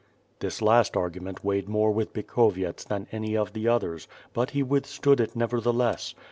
This last argument weighed more with Bikhovyets than any of the others, but he withstood it, nevertheless.